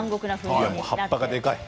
葉っぱがでかい。